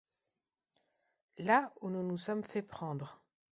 Là où nous nous sommes fait prendre.